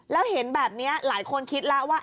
แล้วเห็นแบบนี้หลายคนคิดแล้วว่า